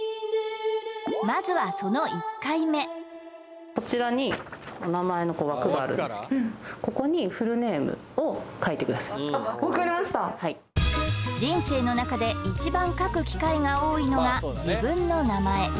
まずはその１回目人生の中で一番書く機会が多いのが自分の名前